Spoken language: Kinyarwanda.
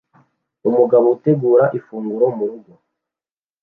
Umugore utegura ifunguro murugo